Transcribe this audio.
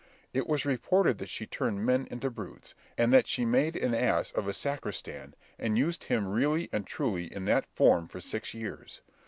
It was reported that she turned men into brutes, and that she made an ass of a sacristan, and used him really and truly in that form for six years.